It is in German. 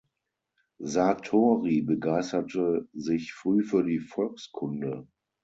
Sartori begeisterte sich früh für die Volkskunde.